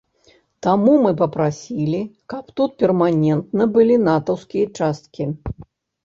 Таму мы папрасілі, каб тут перманентна былі натаўскія часткі.